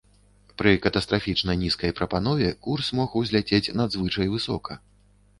Пры катастрафічна нізкай прапанове курс мог узляцець надзвычай высока.